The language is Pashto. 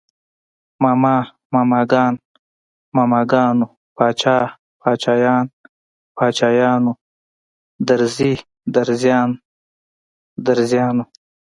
ماما، ماماګان، ماماګانو، باچا، باچايان، باچايانو، درزي، درزيان، درزیانو